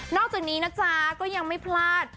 จากนี้นะจ๊ะก็ยังไม่พลาด